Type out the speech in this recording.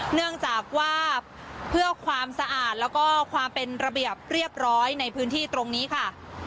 เนื่องจากว่าเพื่อความสะอาดแล้วก็ความเป็นระเบียบเรียบร้อยในพื้นที่ตรงนี้ค่ะ